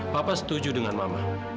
papa setuju dengan mama